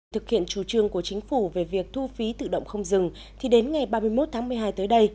thực hiện chủ trương của chính phủ về việc thu phí tự động không dừng thì đến ngày ba mươi một tháng một mươi hai tới đây